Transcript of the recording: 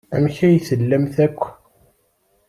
Amek ay tellamt akk?